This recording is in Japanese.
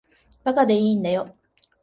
馬鹿でいいんだよ。